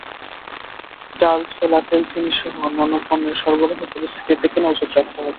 ডাল, ছোলা, তেল, চিনিসহ অন্যান্য পণ্যের সরবরাহ পরিস্থিতির দিকে নজর রাখতে হবে।